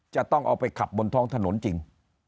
จะต้องเอาไปขับบนท้องถนนจริง